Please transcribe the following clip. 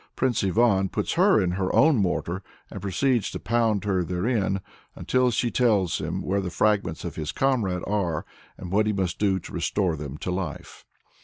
Prince Ivan puts her in her own mortar, and proceeds to pound her therein, until she tells him where the fragments of his comrade are, and what he must do to restore them to life.